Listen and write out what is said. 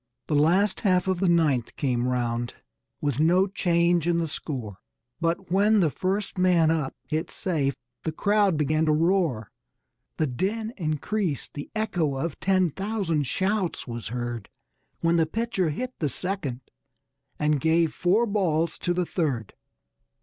The last half of the ninth came round, with no change in the score; But when the first man up hit safe the crowd began to roar. The din increased, the echo of ten thousand shouts was heard When the pitcher hit the second and gave "four balls" to the third.